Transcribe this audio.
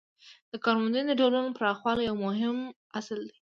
د کارموندنې د ډولونو پراخوالی یو مهم اصل دی.